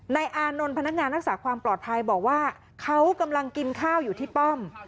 อานนท์พนักงานรักษาความปลอดภัยบอกว่าเขากำลังกินข้าวอยู่ที่ป้อม